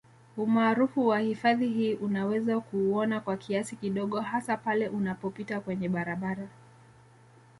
Umaarufu wa hifadhi hii unaweza kuuona kwa kiasi kidogo hasa pale unapopita kwenye barabara